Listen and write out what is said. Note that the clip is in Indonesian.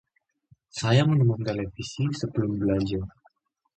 Saya menonton televisi sebelum belajar.